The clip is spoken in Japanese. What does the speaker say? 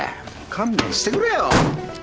勘弁してくれよ。